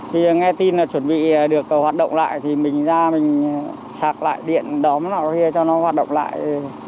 thì nghe tin là chuẩn bị được hoạt động lại thì mình ra mình sạc lại điện đóm lại cho nó hoạt động lại